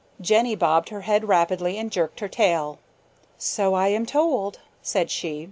Jenny bobbed her head rapidly and jerked her tail. "So I an told," said she.